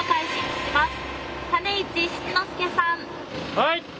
はい！